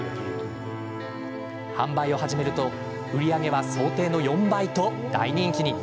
販売を始めると売り上げは想定の４倍と大人気に。